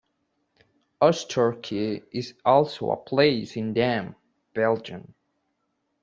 Oostkerke is also a place in Damme, Belgium.